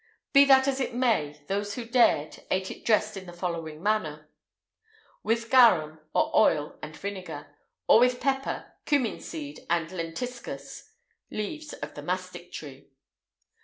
Be that as it may, those who dared, ate it dressed in the following manner: With garum, or oil and vinegar;[IX 214] or with pepper, cummin seed, and lentiscus (leaves of the mastic tree).